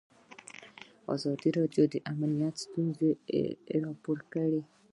ازادي راډیو د امنیت ستونزې راپور کړي.